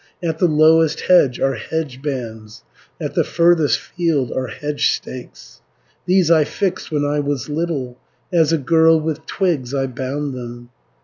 At the lowest hedge are hedge bands, At the furthest field are hedge stakes, 410 These I fixed when I was little, As a girl with twigs I bound them.